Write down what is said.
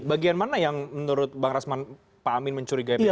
bagian mana yang menurut bang rasman pak amin mencurigai pihak